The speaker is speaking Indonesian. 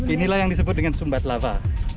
inilah yang disebut dengan sumbat lava